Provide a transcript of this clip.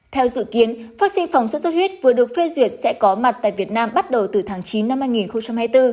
theo dự kiến vaccine phòng sốt xuất huyết vừa được phê duyệt sẽ có mặt tại việt nam bắt đầu từ tháng chín năm hai nghìn hai mươi bốn